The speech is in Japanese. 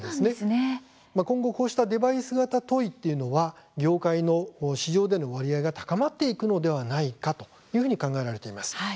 今後こうしたデバイス型トイっていうのは業界の市場での割合が高まっていくのではないかというふうに考えられています。